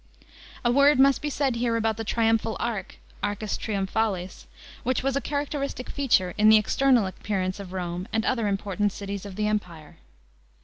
*§ 7. A word must be said here about the triumphal arch (arcus triumphalis) which was a characteristic feature in the external appearance of Rome and other important cities of the Empire.